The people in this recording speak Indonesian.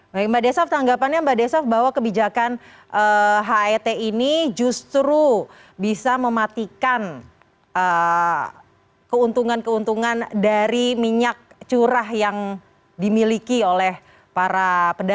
baik mbak desaf tanggapannya mbak desaf bahwa kebijakan het ini justru bisa mematikan keuntungan keuntungan dari minyak curah yang dimiliki oleh para pedagang